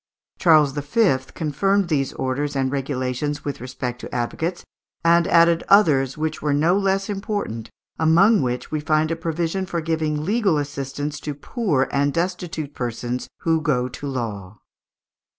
Charles V. confirmed these orders and regulations with respect to advocates, and added others which were no less important, among which we find a provision for giving "legal assistance to poor and destitute persons who go to law."